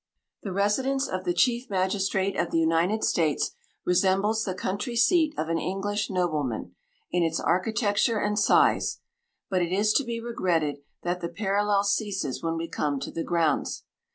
The residence of the Chief Magistrate of the United States resembles the country seat of an English nobleman, in its architecture and size; but it is to be regretted that the parallel ceases when we come to the grounds.